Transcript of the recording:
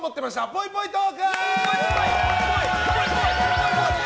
ぽいぽいトーク！